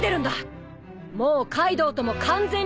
もうカイドウとも完全に縁を切った！